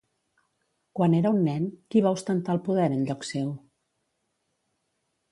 Quan era un nen, qui va ostentar el poder en lloc seu?